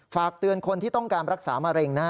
ฝากเตือนคนที่ต้องการรักษามะเร็งนะ